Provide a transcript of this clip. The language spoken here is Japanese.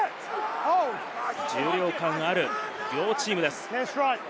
重量感ある両チームです。